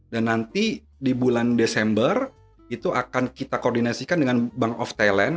dan nanti di bulan desember itu akan kita koordinasikan dengan bank of thailand